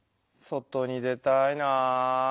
外に出たいなあ。